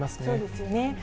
そうですよね。